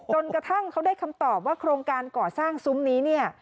กระทั่งเขาได้คำตอบว่าโครงการก่อสร้างซุ้มนี้เนี่ย